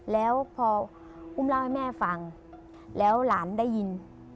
แล้วพออุ้มเล่าให้แม่ฟังแล้วหลานได้ยิน